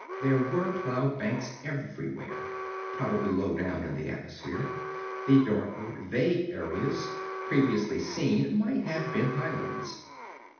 There were cloud banks everywhere, probably low down in the atmosphere. The darker vague areas previously seen might have been highlands.